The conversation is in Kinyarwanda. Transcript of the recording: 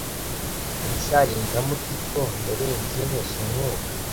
Mbese hari indamu tito yabenzeho si umwuka